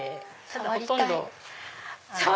触りたい。